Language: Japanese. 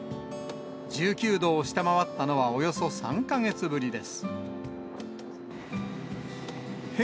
１９度を下回ったのは、およそ３か月ぶりです。